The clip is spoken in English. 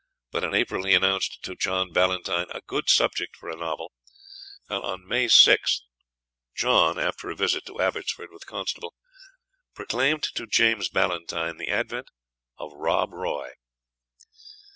But in April he announced to John Ballantyne "a good subject" for a novel, and on May 6, John, after a visit to Abbotsford with Constable, proclaimed to James Ballantyne the advent of "Rob Roy."